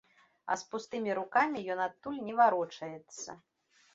А з пустымі рукамі ён адтуль не варочаецца.